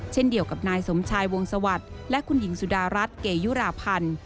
เช่นเดียวกับนายสมชายวงสวัสดิ์และคุณหญิงสุดารัฐเกยุราพันธ์